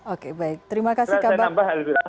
oke baik terima kasih kabar